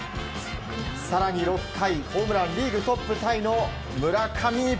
更に６回、ホームランリーグトップタイの村上。